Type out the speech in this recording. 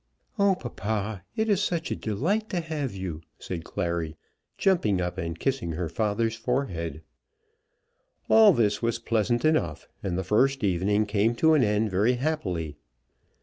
"Oh, papa, it is such a delight to have you," said Clary, jumping up and kissing her father's forehead. All this was pleasant enough, and the first evening came to an end very happily.